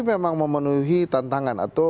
memang memenuhi tantangan atau